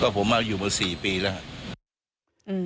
ก็ผมเอาอยู่เจอมา๔ปีแล้ว